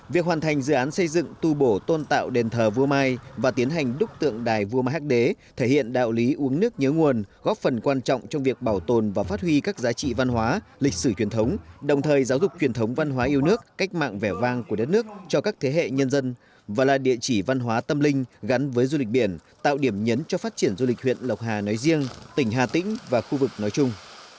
việc hoàn thành dự án xây dựng tu bổ tôn tạo đền thờ vua mai và tiến hành đúc tượng đài vua mai hắc đế thể hiện đạo lý uống nước nhớ nguồn góp phần quan trọng trong việc bảo tồn và phát huy các giá trị văn hóa lịch sử truyền thống đồng thời giáo dục truyền thống văn hóa yêu nước cách mạng vẻ vang của đất nước cho các thế hệ nhân dân và là địa chỉ văn hóa tâm linh gắn với du lịch biển tạo điểm nhấn cho phát triển du lịch huyện lộc hà nói riêng tỉnh hà tĩnh và khu vực nói chung